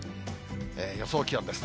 予想気温です。